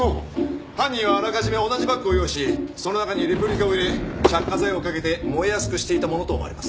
犯人はあらかじめ同じバッグを用意しその中にレプリカを入れ着火剤をかけて燃えやすくしていたものと思われます。